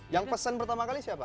yang pesan pertama kali siapa